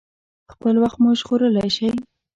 خپل وخت مو ژغورلی شئ.